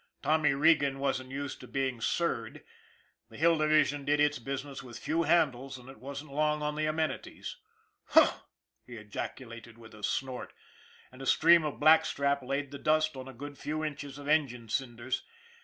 Tommy Regan wasn't used to being " sir " ed the Hill Division did its business with few handles and it wasn't long on the amenities. " Humph !" he ejaculated with a snort, and a stream of black strap laid the dust on a good few inches of engine cinders.